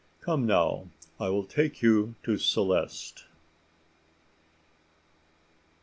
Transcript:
Come now I will take you to Celeste.